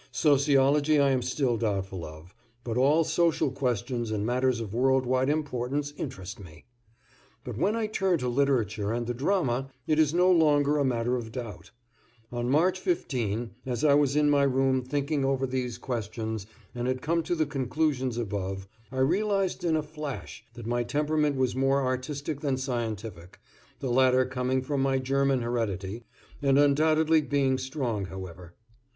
Sociology I am still doubtful of, but all social questions and matters of world wide importance interest me. But when I turn to literature and the drama, it is no longer a matter of doubt. On March 15, as I was in my room thinking over these questions and had come to the conclusions above, I realized in a flash that my temperament was more artistic than scientific, the latter coming from my German heredity, and undoubtedly being strong, however.